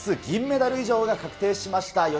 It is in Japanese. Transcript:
銀メダル以上が確定しました。